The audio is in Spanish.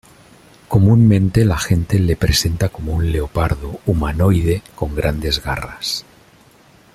Comúnmente la gente le presenta como un leopardo humanoide con grandes garras.